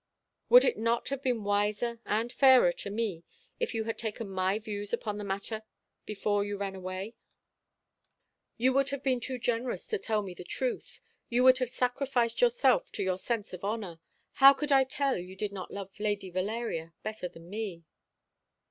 "Would it not have been wiser, and fairer to me, if you had taken my views upon the matter before you ran away?" "You would have been too generous to tell me the truth; you would have sacrificed yourself to your sense of honour. How could I tell you did not love Lady Valeria better than me?"